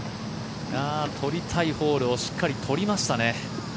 取りたいホールをしっかり取りましたね。